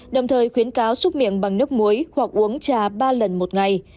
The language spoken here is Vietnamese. đồng thời khuyến cáo xúc miệng bằng nước muối hoặc uống trà ba lần một ngày